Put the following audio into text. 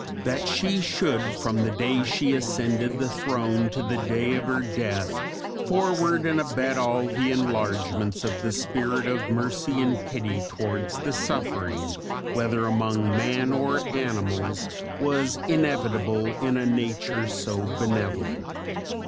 That she should from the day she ascended the throne to the day of her death forward and abet all the enlargements of the spirit of mercy and pity towards the suffering, whether among man or animals, was inevitable in a nature so benevolent.